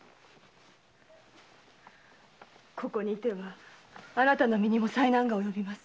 ここに居てはあなたの身にも災難が及びます。